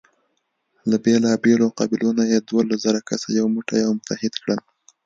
له بېلابېلو قبیلو نه یې دولس زره کسه یو موټی او متحد کړل.